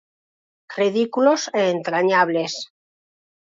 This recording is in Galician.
Ridículos e entrañables.